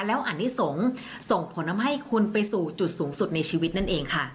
แล้วอนิสงฆ์ส่งผลทำให้คุณไปสู่จุดสูงสุดในชีวิตนั่นเองค่ะ